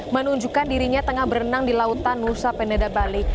menunjukkan dirinya tengah berenang di lautan nusa peneda bali